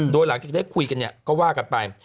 โดยหลังจากได้คุยกันเนี่ยก็ว่ากันไป